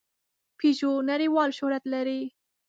پيژو نړۍوال شهرت لري.